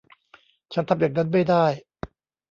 ฉันทำอย่างนั้นไม่ได้